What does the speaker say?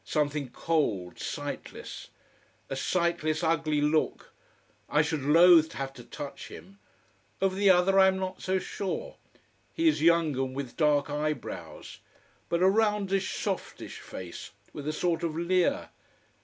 Something cold, sightless. A sightless, ugly look. I should loathe to have to touch him. Of the other I am not so sure. He is younger, and with dark eyebrows. But a roundish, softish face, with a sort of leer.